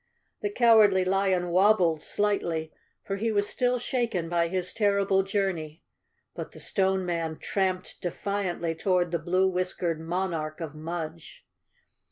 The Cowardly Lion wobbled slightly, for he was still shaken by his terrible journey, but the Stone Man tramped defiantly toward the blue whiskered monarch of Mudge.